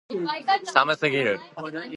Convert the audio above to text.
寒すぎる